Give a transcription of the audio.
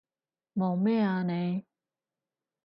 望咩啊你？